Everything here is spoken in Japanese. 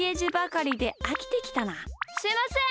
すいません。